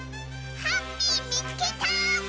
ハッピーみつけた！